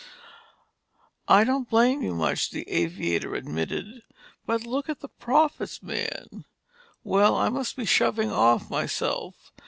"I don't blame you much," the aviator admitted, "but look at the profits, man. Well, I must be shoving off, myself.